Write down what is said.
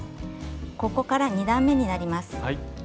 ここから２段めになります。